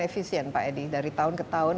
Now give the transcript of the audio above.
efisien pak edi dari tahun ke tahun